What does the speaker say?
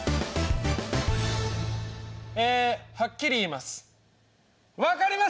えはっきり言います。